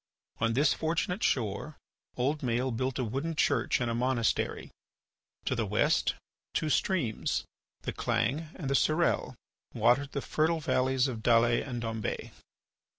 On this fortunate shore old Maël built a wooden church and a monastery. To the west, two streams, the Clange and the Surelle, watered the fertile valleys of Dalles and Dombes.